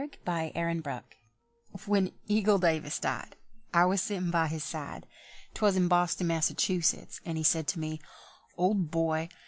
IN THE WRONG BOX When Eagle Davis died, I was sittin' by his side, 'Twas in Boston, Massachusetts; and he said to me, "Old boy!